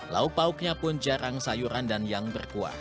lauk pauknya pun jarang sayuran dan yang berkuah